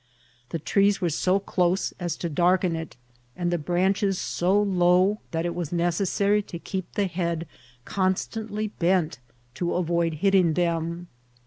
The trees were so close as to darken it, and the branches so low that it was necessary to keep the head constantly bent to avoid hitting them.